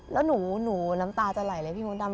แล้วหนูน้ำตาจะไหลเลยพี่มดดำ